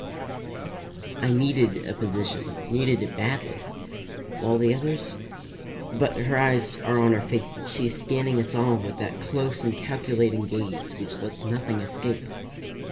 I needed a position, needed it badly, while the others But her eyes are on our faces, she is scanning us all with that close and calculating gaze which lets nothing escape.